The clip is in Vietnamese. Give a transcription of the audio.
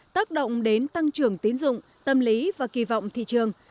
tác động đến tăng trưởng tín dụng tâm lý và kỳ vọng thị trường